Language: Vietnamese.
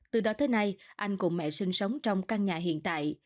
từ đó tới nay anh cùng mẹ sinh sống trong căn nhà hiện tại